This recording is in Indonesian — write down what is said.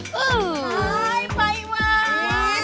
hai pak iwan